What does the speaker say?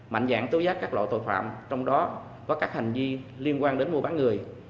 mạnh dạng tố giác các loại tội phạm trong đó có các hành vi liên quan đến mua bán người